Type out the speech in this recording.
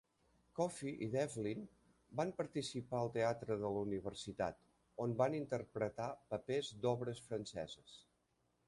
Coffey i Devlin van participar al teatre de la universitat, on van interpretar papers d'obres franceses.